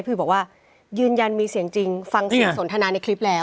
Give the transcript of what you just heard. บอกว่ายืนยันมีเสียงจริงฟังเสียงสนทนาในคลิปแล้ว